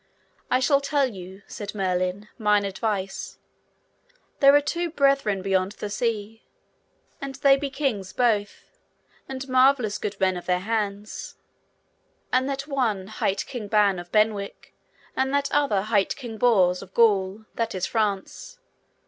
I shall tell you, said Merlin, mine advice; there are two brethren beyond the sea, and they be kings both, and marvellous good men of their hands; and that one hight King Ban of Benwick, and that other hight King Bors of Gaul, that is France.